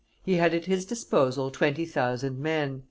He had at his disposal twenty thousand men.